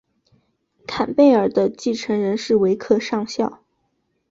坎贝尔的继承人是维克上校。